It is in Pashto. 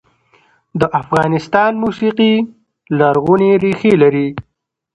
د افغانستان موسیقي لرغونې ریښې لري